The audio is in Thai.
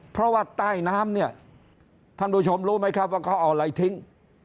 เพราะว่าใต้น้ำเนี่ยท่านผู้ชมรู้ไหมครับว่าเขาเอาอะไรทิ้ง